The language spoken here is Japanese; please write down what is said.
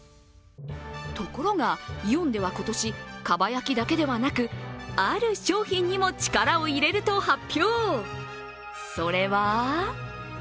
ところが、イオンでは今年かば焼きだけではなくある商品にも力を入れると発表。